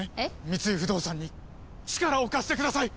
三井不動産に力を貸してください！